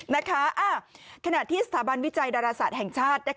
ขณะที่สถาบันวิจัยดาราศาสตร์แห่งชาติ